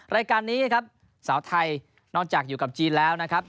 รายการนี้ครับสาวไทยนอกจากอยู่กับจีนแล้วนะครับ